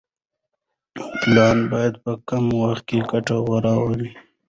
پلان باید په کم وخت کې ګټه راوړي.